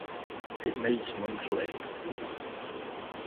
It meets monthly.